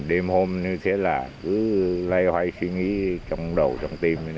đêm hôm như thế là cứ loay hoay suy nghĩ trong đầu trong tim